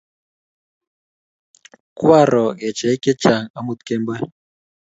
Kwaro kecheik chechang' amut kemboi